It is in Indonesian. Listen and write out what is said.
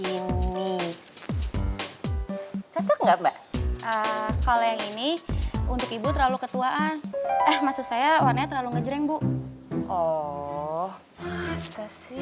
hai yang ini cocok nggak mbak kalau yang ini untuk ibu terlalu ketuaan masuk saya warnanya terlalu ngejreng bu oh masa sih